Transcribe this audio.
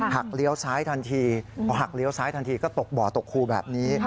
หักเลี้ยวซ้ายทันทีก็ตกบ่อตกคู่แบบนี้